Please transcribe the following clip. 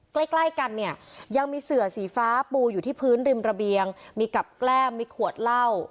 ใกล้ใกล้กันเนี่ยยังมีเสือสีฟ้าปูอยู่ที่พื้นริมระเบียงมีกับแกล้มมีขวดเหล้า